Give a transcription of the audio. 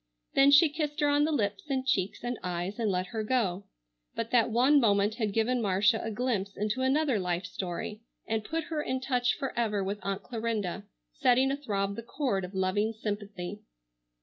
Then she kissed her on the lips and cheeks and eyes and let her go. But that one moment had given Marcia a glimpse into another life story and put her in touch forever with Aunt Clarinda, setting athrob the chord of loving sympathy.